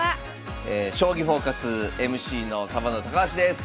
「将棋フォーカス」ＭＣのサバンナ高橋です！